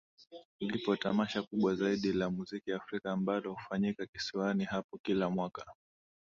Lipo Tamasha kubwa zaidi la muziki Africa ambalo hufanyika kisiwani hapo kila mwaka